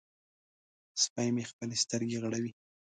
سپی مې خپلې سترګې غړوي.